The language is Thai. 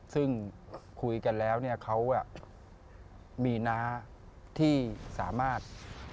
ซึ่งคุยกันแล้วเค้ามีนะที่สามารถ